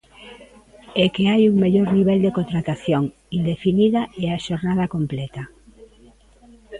E que hai un mellor nivel de contratación: indefinida e a xornada completa.